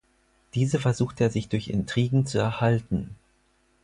Diese versuchte er sich durch Intrigen zu erhalten.